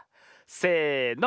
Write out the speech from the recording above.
せの！